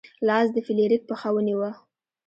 لاس د فلیریک پښه ونیوه.